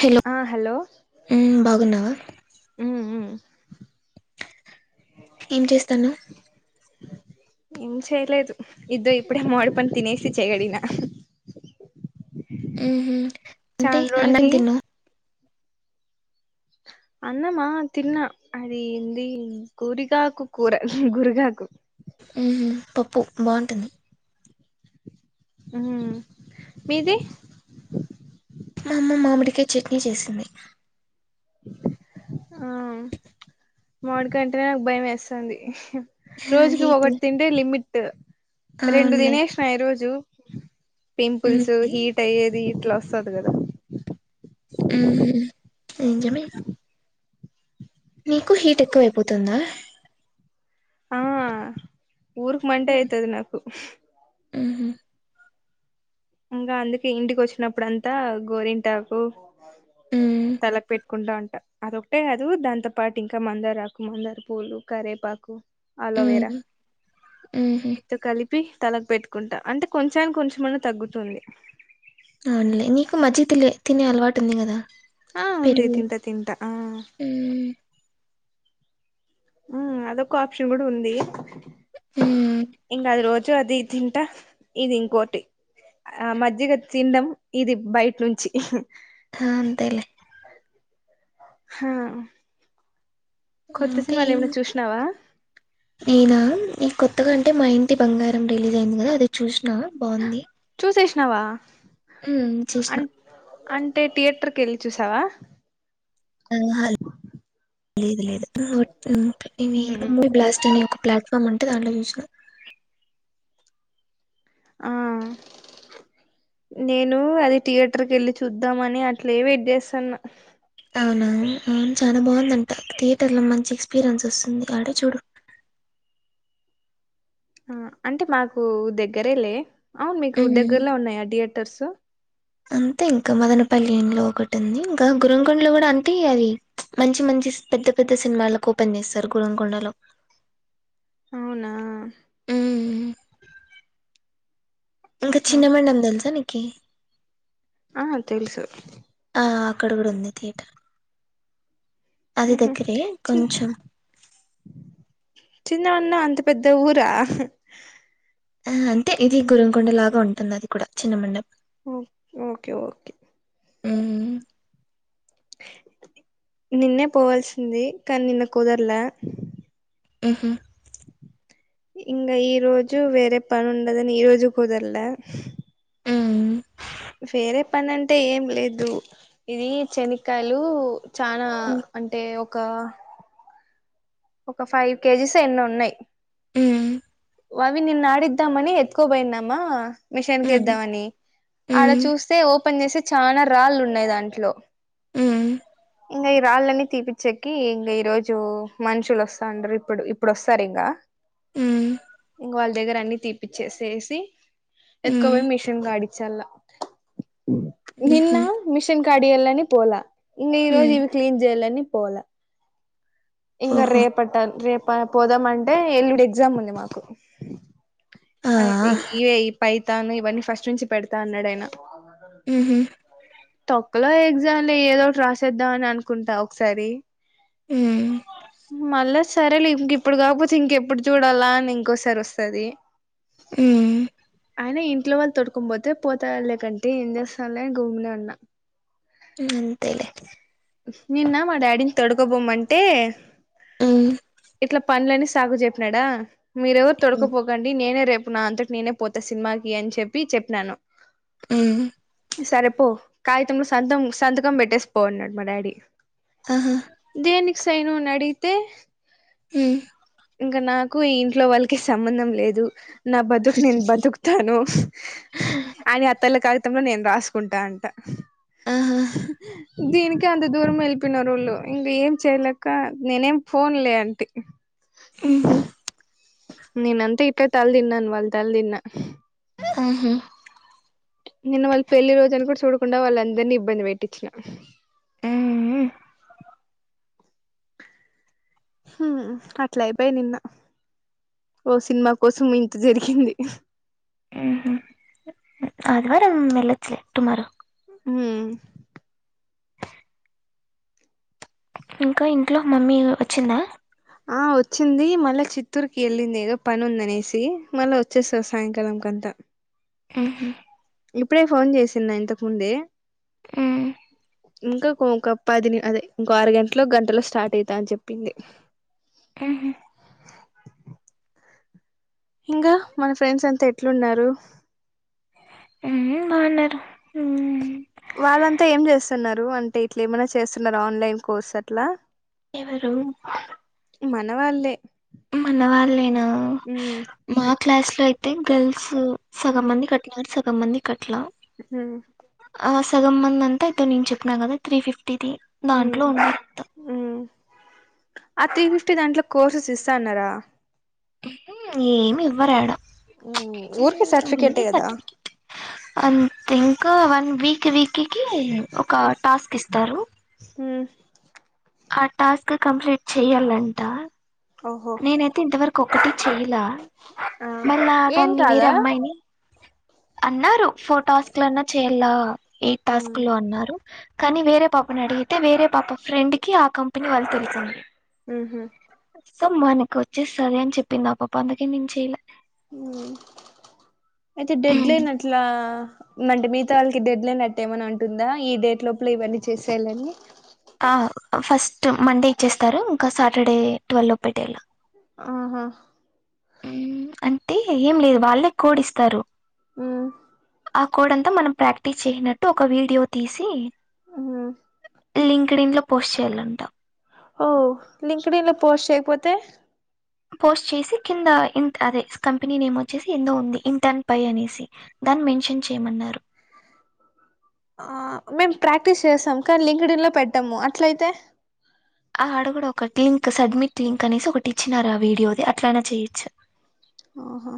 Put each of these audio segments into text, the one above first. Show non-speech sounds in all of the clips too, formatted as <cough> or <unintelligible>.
Hello ఆ hello మ్మ్ బాగున్నావా మ్ మ్ ఏం చేస్తానవ్ ఏం చేయలేదు ఇద్దో ఇప్పుడే మమిడి పండు తినేసి చెయ్యి కడిగిన ఉ మ్ హు అంటే అన్నం తిన్న అన్నమా తిన్న అది ఎంది గురిగాకు కూర గురిగాకు మ్ హు పప్పు బాగుంటుంది మ్ మీది మా అమ్మ మామిడికయ చట్నీ చేసింది ఆ మామీడికాయ అంటేనే నాకు భయం వేస్థంది హా రోజుకి హీట్ ఒకటి తింటే లిమిట్ రెండు అవునులే తినేసిన ఈ రోజు పింపుల్స్ మ్మ్ హీట్ అయ్యేది ఇట్లా వస్తది కదా మ్ హు నిజమే నీకు హీట్ ఎక్కువైపోతుందా ఆ ఊర్కి మంటే అయితది నాకు మ్ హు ఇంగ అందుకే ఇంటికోచ్చినప్పుడంతా గోరింటాకు మ్మ్ తలకు పెట్టుకుంటా ఉం అదొకటే కాదు దాంతో పాటు ఇంకా మందారాకు మందార పూలు కరేపాకు అలోవేరా మ్మ్ మ్మ్హ్ మీతో కలిపి తలక్ పెట్టుకుంటా అంటే కొంచని కొంచమన్న తగ్గుతుంది అవునలే నీకు మజ్క్ తిల్ల తినే అలవాటు ఉంది కదా ఆ ఉంది పెరుగు తింట తింటా ఆ మ్మ్ ఉమ్ అదొక ఆప్షన్ కూడా ఉంది మ్మ్ ఇంకా అది రోజు అది తింటా ఇది ఇంకోటి ఆ మజ్జిగ తిన్నాం ఇది బయట నుంచి హ అంతేలే హ ఆ ఇంకా ఏం చూసినావా అయినా ఈకొ త్తగాంటే మా ఇంటి బంగారం రిలీజ్ అయింది కదా అది చూసినా బాగుంది శేషనవ ఉమ్ సుశినా అంటే థియేటర్ కేళ్ళి చూసావా ఉమ్ ఆ లేదు లేదు <unintelligible> ఉమ్ మూవీ బ్లాస్ట్ అనే ఒక ప్లాట్ఫామ్ అంటే దాంట్లో చూసిన ఆ నేను అది థియేటర్ కేళ్ళి చూద్దామని అట్లే వెయిట్ చేస్తాను అవునవును ఉమ్ చాలా బాగుందంట థియేటర్ లో మంచి ఎక్స్పీరియన్స్ వస్తుంది ఆడే చూడు టు ఉమ్ అంటే మాకు దగ్గరే లే అవును మీకు హ్మ్. దగ్గరలో ఉన్నాయి అ థియేటర్సు అంతే ఇంకా మదనపల్లి లో ఒకటి ఉంది ఇంకా గురకొండలో కూడా అంటే అది మంచి మంచి పెద్ద పెద్ద సినిమాలకు ఓపెన్ చేస్తారు గురకొండలో అవునా ఉమ్ ఇంకా ఆహా చిన్న మేడం తెలుసా నీకు ఆ తెలుసు ఆ అక్కడ ఉంది థియేటర్ అది ఉహు దగ్గరే చి కొంచెం చిన్ననా అంత పెద్ద ఊరా ఆ అంతే ఇది గురంకొండలాగా ఉంటుంది అది కూడా చిన్న మండ ఉమ్ ఓకే ఓకే ఉమ్ నిన్నే పోవాల్సింది కానీ నిన్న కుదరలా ఉహు ఇంగ ఈ రోజు వేరే పను ఉండదని ఈ రోజు కుదర్లే హ్మ్. వేరే పని అంటే ఏం లేదు ఇది చనికాయలు చనా అంటే ఒక ఒక ఫైవ్ కేజీస్ ఎన్నో ఉన్నాయి ఉమ్ అవి నిన్నాడిద్దామనీ ఎత్కోబైనమ్మా మిషన్కిద్దామని ఆడ చూస్తే ఓపెన్ చేసి చాలా రాళ్ళు ఉన్నాయి దాంట్లో ఇంగా ఈ రాళ్ళన్నీ తీపిచ్చెకి ఇంగ ఈ రోజు మనుషులు వస్తాండ ఇప్పుడు ఇప్పుడు వస్తారు ఇంకా ఉమ్ ఇం వాళ్ళ దగ్గర అన్ని తీపిచ్చేసేసి ఎతుకోబని మిషన్ ఆడిచ్చలా నిన్న మిషన్ కడి ఎలని పోల ఇన్న ఈ రోజు ఇవి క్లీన్ చేయలని పోల ఇంక ఓహో రేపట్టన్ రే పోదామంటే ఎల్డి ఎగ్జామ్ ఉంది మాకు ఆ అది పైతాను ఇవన్నీ ఫస్ట్ నుంచి పెడతా అన్నాడుయన మ్హూ, తొక్కలో ఎగ్జామ్ లో ఏదోటి రాసేద్దాం అని అనుకుంటా ఒకసారి మ్, మళ్ళా సరే లే ఇంక ఇప్పుడు కాకపోతే ఇంకెప్పుడు చూడాలా అని ఇంకోసారి వస్తుది మ్, అయినా ఇంట్లో వాళ్ళు తొడుకు పోతే పోతాళ్లేకంటే ఏం చేస్తాలేని భూమినే ఉన్నా అంతేలే నిన్న మా డాడీని తడుకోబోమంటే మ్, ఇట్లా పనులని సాగు చెప్పినడా మీర ఎవరు తొడకపోకండి నేనే రేపు నా అంతటి నేనే పోతా సినిమాకి అని చెప్పి చెప్పినాను ఉ ఇసరేపో కాగితంలోంలో సంతం సంతకం పెట్టేసి పోన్నాడు మా డాడీ ఆహా దనికినికి సైను అడిగితే ఉ ఇంకా నాకు ఇంట్లో వాళ్ళకి సంబంధం లేదు నా బదుకు నేను బతుకు తాను అ అతలో కా మొ లో నేను రాసుకుంటా అంట ఆహా దీనికినికి అంత దూరం వెళ్ళపోినారు వాళ్ళు ఇంక ఏం చెయలేక నేనేం ఫన్లే అంటీ ఆహా నేనంతా ఇప్పుడే తల తిన్నాను వాళ్ళు తల తిన్నా అహ నేను వాళ్ళు పెళ్లిి రోజుని కూడా చూడకుండా వాళ్ళ అందరినీ ఇబ్బంది పెట్టించిన అ ఉఅట్ల అయిపోయి నిన్న ఓ సినిమా కోసం ఇంత జరిగింది అది వారం మెలచ్చలే టుమారో హ ఇంకా ఇంట్లో ఒక మమ్మీ వచ్చిందా ఆ వచ్చింది మళ్ళా చిత్తూరుకి వెళ్ళింది ఏదో పని ఉందనేసి మళ్ళా వచ్చేస్తాారు సాయంకాలం ఇం కంత ఆహా ఇప్పుడే ఫోన్ చేసింది ఇంతకుముందే మ్, ఇంకా ఇంకప్ప అది అదే ఇంకో అరు గంటలో గంటలో స్టార్ట్ అవుతా అని చెప్పింది ఉహూ ఇంకా మన ఫ్రెండ్స్ అంతా ఎట్లున్నారు ఉ ఉబాగున్నారు వాళ్ళంతా ఏం చేస్తున్నారు అంటే ఇట్లా ఏమనా చేస్తున్నారు ఆన్లైన్ కోర్స్ అట్లా ఎవరు మన వాళ్ళే మన వాళ్ళ లెన ఉమ్ మా క్లాస్ లో అయితే గర్ల్స్ స సగం మంది కట్ నార్ సగం మంది కట్లా ఉమ్ సగం మంది అంత అయితే నే చెప్పిన కదా త్రీ ఫిఫ్టీ ఆ త్రీ ఫిఫ్టీ దాంట్లో కోర్సెస్ ఇస్తా అన్నారా ఏమి ఏమీ ఇవ్వరా ఆడా ఉమ్ ఊరికే సర్టిఫికేటే ఫ కదా అంతింకా వన్ వీక్ వీక్కిికీ ఒక టాస్క్ ఇస్తారు మ్ ఆ టాస్క్ కంప్లీట్ చెయ్యాల అంట ఓహో నేనైతే ఇంతవరకు ఒక్కటి చేయలా ఆ మళ్ళా ఏం దాన్ని వేరే కాదా అమ్మాయిని అన్నారు ఫోర్ టాస్క్ లోన్నా చేయలా ఎయిట్ ఉమ్ టాస్క్ లో అన్నారు కానీ వేరే పాపని అడిగితే వేరే పాప ఫ్రెండ్ కి ఆ కంపెనీ వాళ్ళు తెలుసింది ఉహు సో మనకు వచ్చే సరే అని చెప్పింది ఆ పా అందుకే నేను చెయ్యల అయితే డెడ్లైన్ అట్లా అంటే మీతో వాళ్ళకి డెడ్ లైన్ ఇవ్వనంటుందా ఈ డేట్ లోపల ఇవన్నీ చేసేయాల అని ఆ ఫస్ట్ మండే ఇచ్చేస్తారు ఇంకా సాటర్డే ట్వెల్వ్ లో పెట్టేలా ఆహా అంటే ఏం లేదు వాళ్ళకు కోడి ఇస్తారు మ్ ఆకోడ్ అంత మనం ప్రాక్టీస్ చేయినట్టు ఒక వీడియో తీసి ఉహు లింక్డ్ ఇన్ లో పోస్ట్ చేయాలం అంటా ఓ లింకడలో పోస్ట్ చేయకపోతే పోస్ట్ చేసి కింద ఇ అదే కంపెనీ నేమ్ వచ్చేసి ఎందో ఉంది ఇంటర్న్ పై అనేసి దాన్ని మెన్షన్ చేయమన్నారు ఆ మేము ప్రాక్టీస్ చేస్తాం కానీ లింకడిన్లో పెట్టాము అట్ల అయితే ఆ అడగుడ ఒక లింక్ సబ్మిట్ లింక్ అనేసి ఒకటి ఇచ్చినారు ఆ వీడియోది అట్ల అయినా చేయొచ్చు ఆహా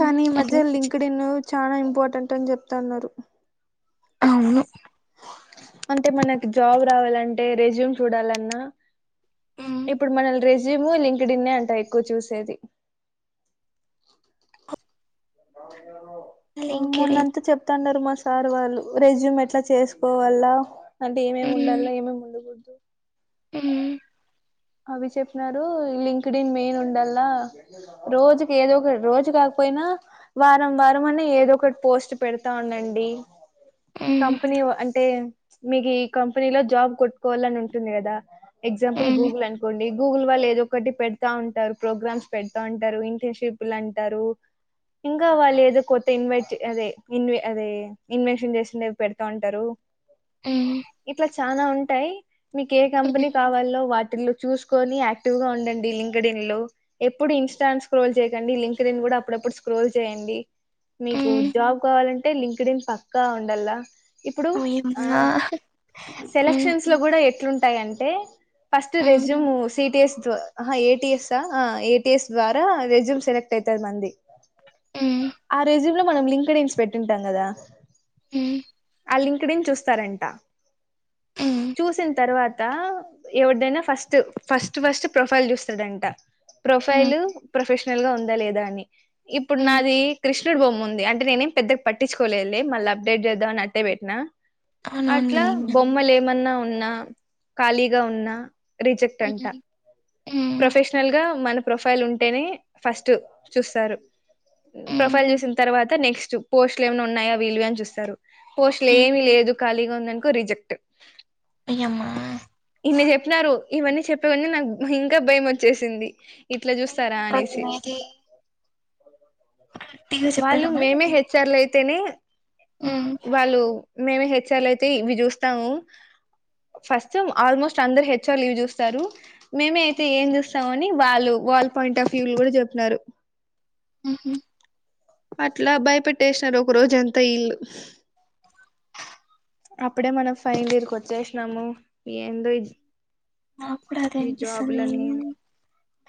కానీ ఈ అట్లా మధ్య లింక్డ్ ఇన్ చాలా ఇంపార్టెంట్ రటన్ చెప్తా అన్నారు అవును అంటే మనకు జాబ్ రావాలంటే రెజ్యూమ్ చూడాల అన్నా మ్మ్ ఇప్పుడు మనల్ రేస్జ్యూ జేమ్మల లింకెడిన్ అంటా ఎక్కువ చూసేది మొన్న లింక్డ్ఇన్ అంతా చెప్తాండరూ మన్ సార్ వాళ్ళు రెజ్యూమ్ ఎట్లా చేసుకోవాల అంటే ఏమేమి ఉండాల ఏమేమి ఉండకూడదు ఉమ్ అవి చెప్పినారు లింక్డ్న్ మెయిన్ ఉండలా రోజుకి ఏదో ఒకటి రోజు కాక పోయినా వారం వారం అనే ఏదో ఒకటి పోస్ట్ పెడతా ఉండ అండి మ్మ్ కంపెనీ వాఅంటే మీకు ఈ కంపెనీ లో జాబ్ కొట్టుకోవాల అని ఉంటుంది కదా ఎగ్జాంపుల్ మ్మ్ గూగుల్ అనుకొండ్ గూగుల్ వాళ్ళు ఏదో ఒకటి పెడతా ఉంటారు ప్రోగ్రామ్స్ పెడతా ఉంటారు ఇంటర్న్షిప్లు అంటారు ఇంకా వాళ్ళు ఏదో కొత్త ఇన్వైట్ అదే ఇన్ అదే ఇన్వెషన్ చేసింది పెడతా ఉంటారు మ్మ్ ఇట్లా చనా ఉంటాయి మీకు ఏ కంపెనీ మ్మ్ కావాలో వ చూసుకొని యాక్టివ్ గా ఉండండి లింకెడిన్ లో ఎప్పుడు ఇన్స్టాంట్ స్క్రోల్ చేయకండి లింక్డ్న్ కూడ అప్పుడప్పుడు స్క్రోల్ చేయండి మీకు మ్మ్ జాబ్ కావాలంటే లింక్డిన్ పక్కా ఉండల ఇప్పుడు ఆ ఓయమ్మా మ్మ్ సెలెక్షన్స్ లో కూడ ఎట్లుం టాయంటే ఫస్ట్ మ్మ్ రెస్యూమ్ టిటిఎస్ ఏటిఎస్ ఏటిఎస్ ద్వారా రెజ్యూమ్ సెలెక్ట్ అయితాది మనది మ్మ్ ఆ రెజ్యూమ్ లో మనం లింక్డిన్స్ పెట్టింటాం కదా హు ఆ లింక్డిన్ చూస్తారంట మ్మ్ చూసిన తర్వాత ఎవరిదైనా ఫస్ట్ ఫస్ట్ ఫస్ట్ ప్రొఫైల్ చూస్తాడంట మ్మ్ ప్రొఫైల్ ప్రొఫెషనల్ గా ఉ లేద అని ఇప్పుడు మ్మ్ నాది క్రి <unintelligible> బొమ్ముంది నేనేం పెద్దగా పట్టించకోలేదలే మళ్ళీ అప్డేట్ చేద్దాం అని అట్టే పెట్న అట్ల అవునవునులేండి బొమ్మలేమన్న ఉన్నా ఖాళీగా ఉన్న రిజెక్ట్ అంట మ్మ్ మ్మ్ ప్రొఫెషనల్ గా మ ప్రొఫైల్ ఉంటేనే ఫస్ట్ చూస్తరు మ్మ్ ప్రొఫైల్ చూసిన తర్వ అ నెక్స్ట్ పోస్ట్లు ఏమన్నా ఉన్నాయా వీళ్ళు వి అని చూస్తారు పోస్ట్లు మ్మ్ ఏమి లేదు ఖాళీగ ఉందనుకో రిజెక్ట్ అయ్యమ్మా ఇన్ని చెప్పినారు ఇవన్నీ చెప్పేవని నాకు ఇంక భయం వచ్చేసింది ఇట్ల చూస్తారా అనేసి గట్టిగా వాళ్ళు చెప్పాడమ్మా మేమే హెచ్చర్లు అయితేనే మ్మ్ వాళ్ళు మేమే హెచ్ఆర్లు అయితే ఇవి చూస్తాము ఫస్ట్ ఆల్మోస్ట్ అందరు హెచ్ఆర్లు ఇవి చూస్తారు మేమే అయితే ఏం చూస్తామని వాళ్ళు వాల్ పాయింట్ ఆఫ్ వ్యూ లో కూడ చెప్పినరు హు హు అట్ల భయపెట్టేసారు ఒక రోజంతా ఇళ్లు అప్పుడే మనం ఫైనల్ ఇయర్ కి వచ్చేసినాము ఏందో నా కూడ అదే ఈ అనిపిస్తుంది జాబులన్నీ అని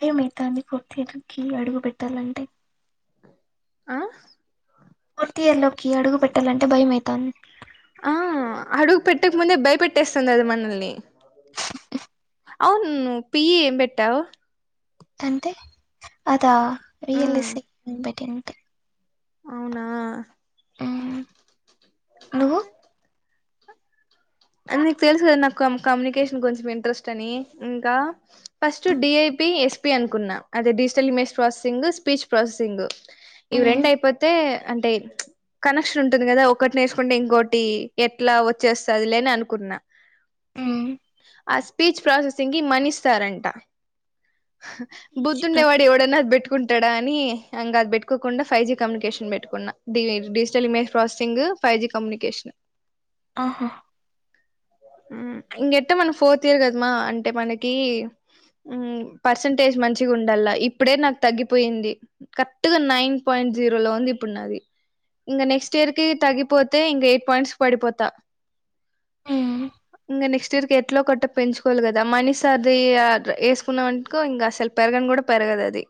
బయం అయితంది కొద్దిగ ఇంగ అడుగు పెట్టాలంటే ఆ ఫోర్త్ ఇయర్ లోకి అడుగు పెట్టాలంటే భయమైతాంది ఆ అడుగు పెట్టకు ముందే భయపెట్టేస్తునారు మనల్ని అవును పి ఏంబెట్టవ్ అంటే అద వి ఎల్ ఎస్ ఐ నేను <unintelligible> పెట్టిన అవునా మ్మ్ నువ్వు <inaudible> నీకు తెలుసు కదా నాకు కమ్యూనికేషన్ కొంచెం ఇంట్రెస్ట్ అని ఇంకా ఫస్ట్ డి ఐ ఎస్పి అనుకున్నా అదే digital image processing speech processing ఇవి రెండు మ్మ్ అయిపోతే అంటే కనెక్షన్ ఉంటుంది కదా ఒకటి నేర్చుకుంటే ఇంకోటి ఎట్లా వచ్చేస్తది లే అనుకున్న మ్మ్ ఆ స్పీచ్ ప్రాసెసింగ్ కి మనిస్తారంట ఈచ్ బుద్దుుండేవాడు ప్రాసెస్ ఎవడన్నఅది <unintelligible> కుంటాడ అని ఇంక అది పెట్టుకోకుండా ఫైవ్ జి కమ్యూనికేషన్ పెట్టుకున్నా digital image processing five G communication ఆహా ఇంగెట్ట మనం ఫోర్త్ ఇయర్ కదమ్మా అంటే మనకి పర్సంటేజ్ మంచిగా ఉండాల ఇప్పుడే నాకు తగ్గిపోయింది కరెక్ట్గా నైన్ పాయింట్ జీరో లో వంది ఇప్పుడు నాది ఇంగ నెక్స్ట్ ఇయర్కి తగిపోతే ఇంగ ఎయిట్ పాయింట్స్ పడిపోతా మ్మ్ ఇంగ నెక్స్ట్ ఇయర్కి ఎట్లా కట్ట పెంచుకోవాలి కదా మనిసార్ది ఆ ఎసుకున్న వనుకో ఇంకా అసలు పెరగన్ పెరదది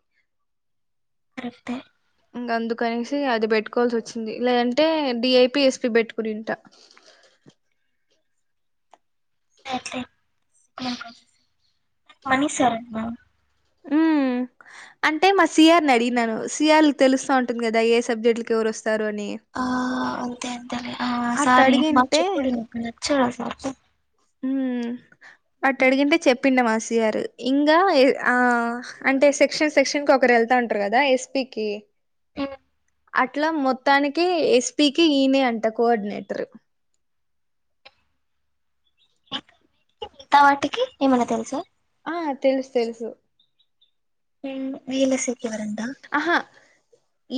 కరెక్టే ఇంగ అందుకనేసి అది పెట్టుకోవాల్సి వచ్చింది లేదంటే డిఐపి ఎస్పి పెట్టుకునింట ఏంటి మనీశర్మా ఉమ్ అంటే మా సిఆర్ని అడిగినను సిఆర్ తెలుస్తా ఉంటుంది కదా ఏ సబ్జెక్ట్ ఆ అంతే ఆ అట్ట సారి మాకు అడిగింటే చెప్పుడు మాకు నచ్చరు ఆ సారు మ్మ్ అట్ట అడిగింటే చెప్పిండు మా సిఆరు ఇంగ ఆ అంటే సెక్షన్ సెక్షన్కి ఒకరు ఎళ్తా ఉంటరు కదా ఎస్పికి మ్మ్. అట్లా మొత్తానికి ఎస్పికి ఈయనే అంట కోఆర్డినేటర్ మిగతా వాటికి ఏమైన్నా తెలుసా ఆ తెలుసు తెలుసు మ్మ్ వీళ్ళ సెక్ ఎవరంట ఆహా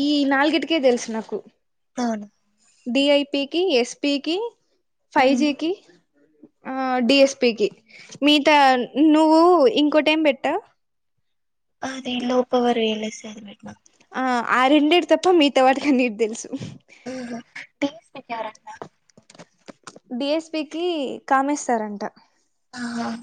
ఈ నాలుగిటికే తెలుసు నాకు అవును డిఐపికి ఎస్పికి మ్మ్ ఫైజికి డిఎస్పికి మిగతా నువ్వు ఇంకోటి పెట్టావ్ అదే లోపవర్ ఎళ్ ఎసై అది బెట్టిన ఆ ఆ రెండిటి తప్ప మీత వాటికన్నీ తెలుసు తీస్ పెట్టరంట డిఎస్పికిి కామేశ్సారంట ఆహా